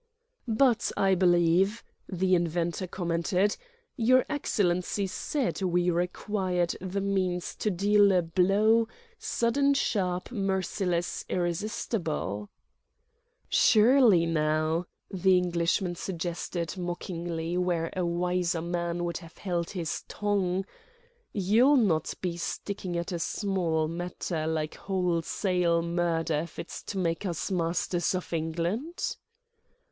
"But I believe," the inventor commented, "your Excellency said we required the means to deal a 'blow sudden, sharp, merciless—irresistible'." "Surely now," the Irishman suggested, mockingly—where a wiser man would have held his tongue—"you'll not be sticking at a small matter like wholesale murder if it's to make us masters of England?"